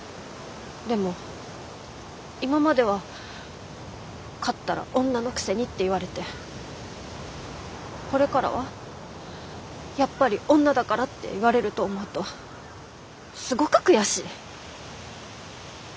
でも今までは勝ったら「女のくせに」って言われてこれからは「やっぱり女だから」って言われると思うとすごく悔しい。